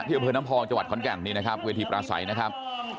อำเภอน้ำพองจังหวัดขอนแก่นนี่นะครับเวทีปราศัยนะครับ